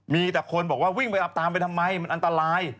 มีแต่คนบอกว่าวิ่งไปอับตามไปทำไมมันอันตราย